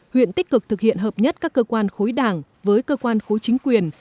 huyện tích cực thực hiện hợp nhất các cơ quan khối đảng với cơ quan khối chính quyền